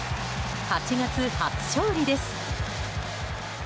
８月初勝利です。